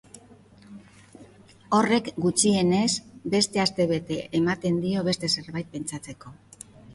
Horrek gutxienez beste astebete ematen dio beste zerbait pentsatzeko.